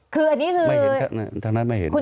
คืออันนี้คือไม่เห็นทางนั้นไม่เห็น